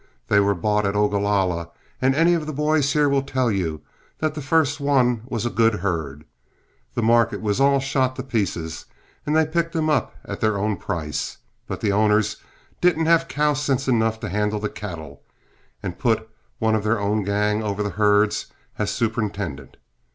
They were bought at Ogalalla, and any of the boys here will tell you that the first one was a good herd. The market was all shot to pieces, and they picked them up at their own price. But the owners didn't have cow sense enough to handle the cattle, and put one of their own gang over the herds as superintendent.